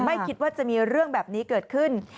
ไม่คิดว่าจะมีเรื่องแบบนี้เกิดขึ้น